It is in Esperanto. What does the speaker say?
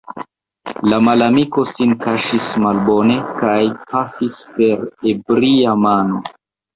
La malamiko sin kaŝis malbone, kaj pafis per ebria mano.